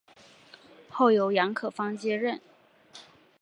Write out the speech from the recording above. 后由杨可芳接任。